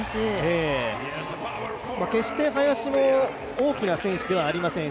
決して林も、大きな選手ではありません。